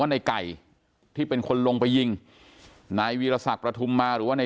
ในไก่ที่เป็นคนลงไปยิงนายวีรศักดิ์ประทุมมาหรือว่าใน